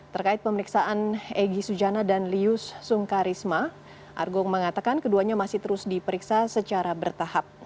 terkait pemeriksaan egy sujana dan lius sungkarisma argo mengatakan keduanya masih terus diperiksa secara bertahap